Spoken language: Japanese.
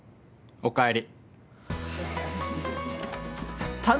おかえり！